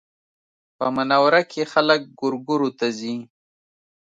په منوره کې خلک ګورګورو ته ځي